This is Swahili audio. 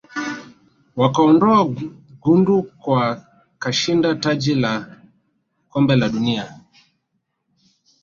wakaondoa gundu kwa kashinda taji la kombe la dunia